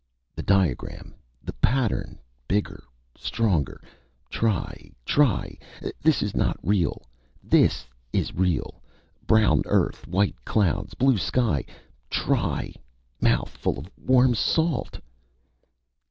The diagram the pattern bigger stronger try try this is not real this is real: brown earth, white clouds, blue sky try mouth full of warm salt